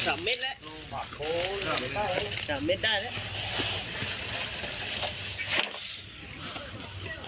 โอ้ยจะไม่ได้แล้วสำเร็จได้แล้ว